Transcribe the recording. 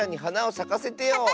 さかせてよ！